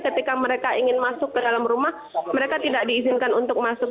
ketika mereka ingin masuk ke dalam rumah mereka tidak diizinkan untuk masuk